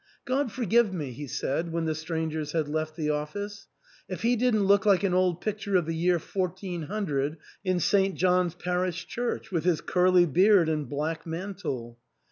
"God forgive me," he said when the strangers had left the office, " if he didn't look like an old picture of the year 1400 in St. John's parish church, with his curly beard and black mantle."